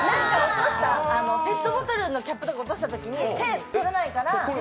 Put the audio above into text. ペットボトルのキャップとか落としたときに手で取れないから。